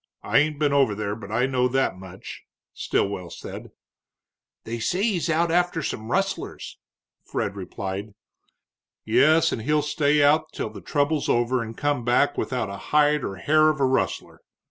I ain't been over there, but I know that much," Stilwell said. "They say he's out after some rustlers," Fred replied. "Yes, and he'll stay out till the trouble's over and come back without a hide or hair of a rustler.